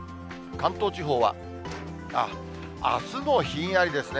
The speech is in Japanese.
関東地方は、あすもひんやりですね。